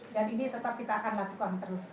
dan ini tetap kita akan lakukan terus